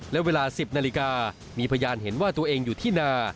และเวลา๑๐นาฬิกามีพยานเห็นว่าตัวเองอยู่ที่นา